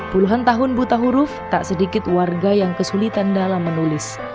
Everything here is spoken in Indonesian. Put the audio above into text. puluhan tahun buta huruf tak sedikit warga yang kesulitan dalam menulis